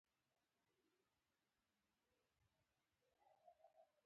دېخوا راشه هلکه